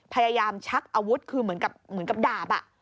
พยายามชักอาวุธคือเหมือนกับดาบอ่ะ